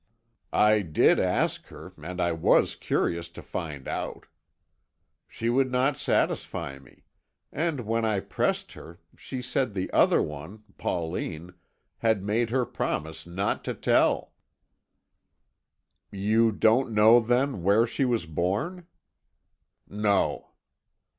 "I did ask her, and I was curious to find out. She would not satisfy me; and when I pressed her, she said the other one Pauline had made her promise not to tell." "You don't know, then, where she was born?" "No."